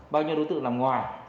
bao nhiêu đối tượng làm ngoài